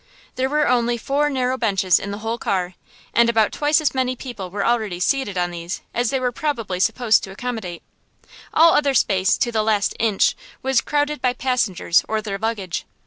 There were only four narrow benches in the whole car, and about twice as many people were already seated on these as they were probably supposed to accommodate. All other space, to the last inch, was crowded by passengers or their luggage.